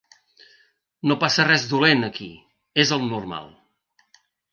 No passa res dolent aquí, és el normal.